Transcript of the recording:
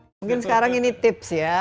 mungkin sekarang ini tips ya